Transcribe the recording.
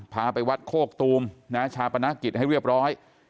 พาไปวัดโคกตูมนะชาปนกิจให้เรียบร้อย